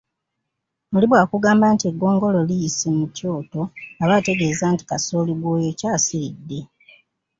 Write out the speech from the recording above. Oli bwakugamba nti eggongolo liyise mu kyoto aba ategeeza nti kasooli gw’oyokya asiridde.